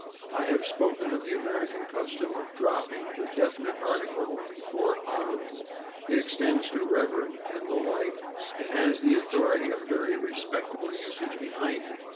I have spoken of the American custom of dropping the definite article before /Hon./ It extends to /Rev./ and the like, and has the authority of very respectable usage behind it.